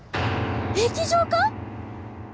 液状化？